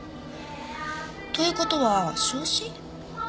という事は焼死？